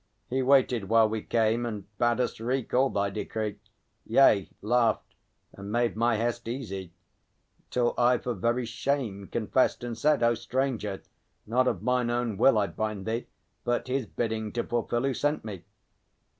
He waited while we came, and bade us wreak All thy decree; yea, laughed, and made my hest Easy, till I for very shame confessed And said: 'O stranger, not of mine own will I bind thee, but his bidding to fulfil Who sent me.'